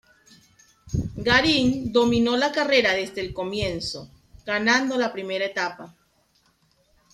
Garin dominó la carrera desde el comienzo, ganando la primera etapa.